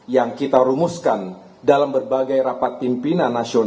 yang kita rumuskan dalam berbagai rapat pimpinan nasional